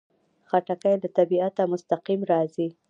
خټکی له طبیعته مستقیم راځي.